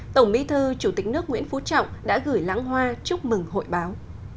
tổng bí thư chủ tịch nước nguyễn phú trọng đã gửi lãng hoa chúc mừng hội báo